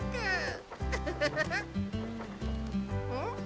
うん？